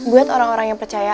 buat orang orang yang percaya